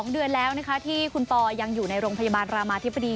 ๒เดือนแล้วนะคะที่คุณปอยังอยู่ในโรงพยาบาลรามาธิบดี